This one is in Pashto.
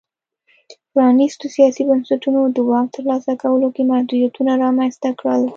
پرانیستو سیاسي بنسټونو د واک ترلاسه کولو کې محدودیتونه رامنځته کړل.